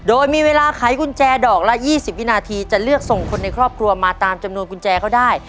โดยมีเวลาไขกุญแจดอกละ๒๐วินาทีจะเลือกส่งคนในครอบครัวมาตามจำนวนกุญแจเขาได้